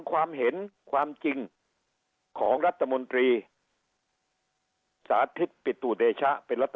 ความเห็นความจริงของรัฐมนตรีสาธิตปิตุเดชะเป็นรัฐ